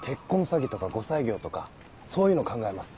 詐欺とか後妻業とかそういうの考えます。